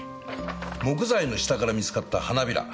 木材の下から見つかった花びら。